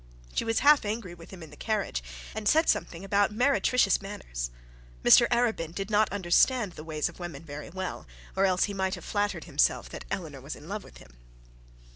She was half angry with him in the carriage, and said something about meretricious manners. Mr Arabin did not understand the ways of women very well, or else he might have flattered himself that Eleanor was in love with him.